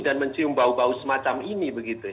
dan mencium bau bau semacam ini